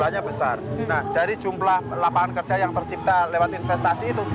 nah dari jumlah lapangan kerja yang tercipta lewat investasi itu